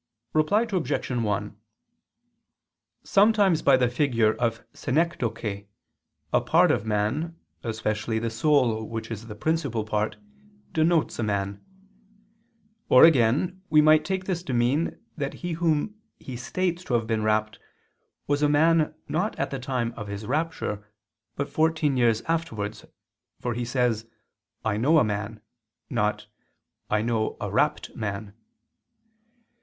Reply Obj. 1: Sometimes by the figure of synecdoche a part of man, especially the soul which is the principal part, denotes a man. Or again we might take this to mean that he whom he states to have been rapt was a man not at the time of his rapture, but fourteen years afterwards: for he says "I know a man," not "I know a rapt man."